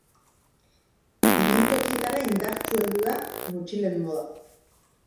Ibiltokietara indartsu heldu da motxilen moda.